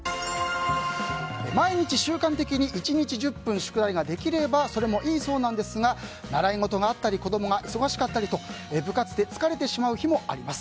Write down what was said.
毎日、習慣的に１日１０分宿題ができればそれもいいそうですが習い事があったり子供が忙しかったりと部活で疲れてしまう日もあります。